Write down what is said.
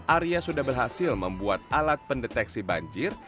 arya sudah berhasil membuat alat pendeteksi banjir